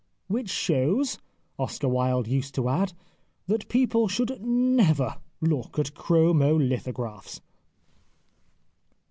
" Which shows," Oscar Wilde used to add, " that people should never look at chromo lithographs."